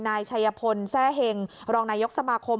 นายชัยพลแทร่เห็งรองนายกสมาคม